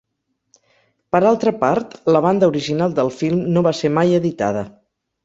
Per altra part, la banda original del film no va ser mai editada.